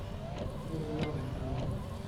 Ur lliɣ d ayla-nwent.